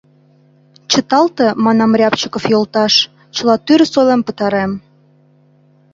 — Чыталте, манам, Рябчиков йолташ, чыла тӱрыс ойлен пытарем.